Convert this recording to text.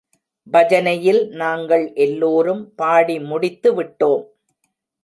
பஜனையில் நாங்கள் எல்லோரும் பாடிமுடித்து விட்டோம்.